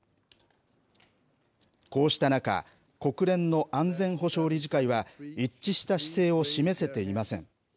こうした中国連の安全保障理事会は一致した姿勢を示せていません。